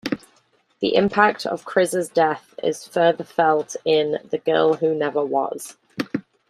The impact of C'rizz's death is further felt in "The Girl Who Never Was".